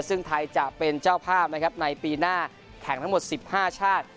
ซึ่งไทยจะเป็นเจ้าภาพนะครับในปีหน้าแข่งทั้งหมด๑๕ชาติ